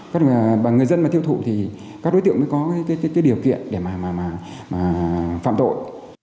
các người dân mà thiêu thụ thì các đối tượng mới có cái điều kiện để mà phạm tội